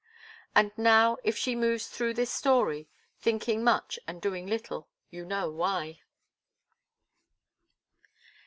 And now, if she moves through this story, thinking much and doing little, you know why.